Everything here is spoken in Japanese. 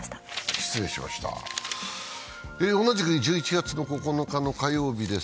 失礼しました、同じく１１月９日の火曜日です。